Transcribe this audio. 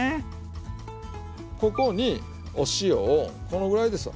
ここにお塩をこのぐらいですわ。